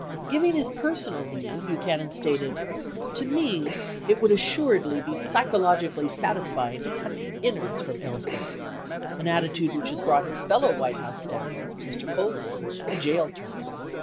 Giving his personal view, Buchanan stated, "To me it would assuredly be psychologically satisfying to cut the innards from Ellsberg," an attitude which has brought his fellow White House staffer, Mr. Colson, a jail term.